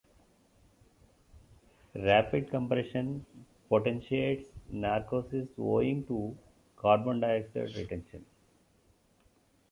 Rapid compression potentiates narcosis owing to carbon dioxide retention.